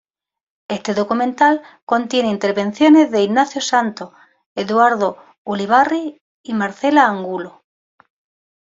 Este documental contiene intervenciones de Ignacio Santos, Eduardo Ulibarri y Marcela Angulo.